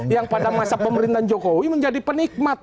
yang pada masa pemerintahan jokowi menjadi penikmat